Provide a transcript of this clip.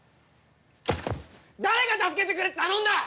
誰が助けてくれって頼んだ！